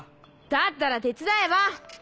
だったら手伝えば？